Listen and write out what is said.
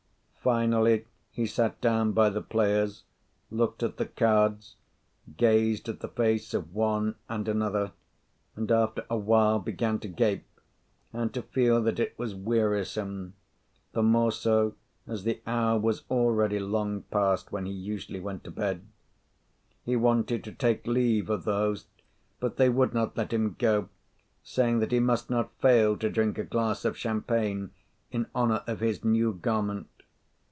Finally he sat down by the players, looked at the cards, gazed at the face of one and another, and after a while began to gape, and to feel that it was wearisome, the more so as the hour was already long past when he usually went to bed. He wanted to take leave of the host; but they would not let him go, saying that he must not fail to drink a glass of champagne in honour of his new garment.